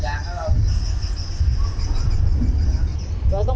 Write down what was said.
cậu tên chịu không